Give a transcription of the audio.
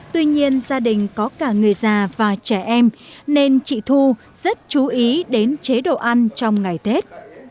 tuy nhiên gia đình có cả người già và trẻ em nên chị thu rất chú ý đến chế độ ăn trong ngày tết